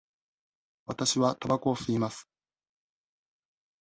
わたしはたばこを吸います。